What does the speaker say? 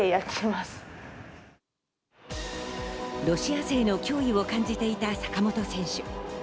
ロシア勢の脅威を感じていた坂本選手。